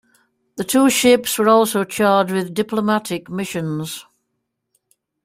The two ships were also charged with diplomatic missions.